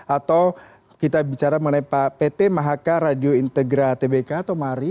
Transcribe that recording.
atau kita bicara mengenai pt mahaka radio integra tbk atau mari